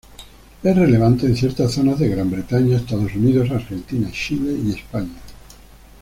Es relevante en ciertas zonas de Gran Bretaña, Estados Unidos, Argentina, Chile y España.